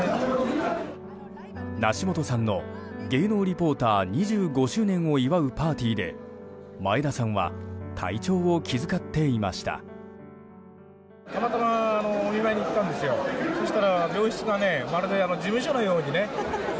梨元さんの芸能リポーター２５周年を祝うパーティーで前田さんは体調を気遣っていました。